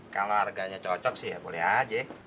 kalau harganya cocok sih ya boleh aja